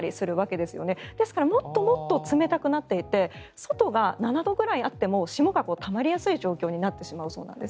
ですからもっともっと冷たくなっていて外が７度ぐらいあっても霜がたまりやすい状況になってしまうそうです。